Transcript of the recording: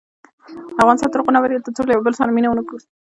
افغانستان تر هغو نه ابادیږي، ترڅو له یو بل سره مینه ونه کړو.